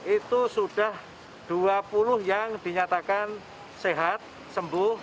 itu sudah dua puluh yang dinyatakan sehat sembuh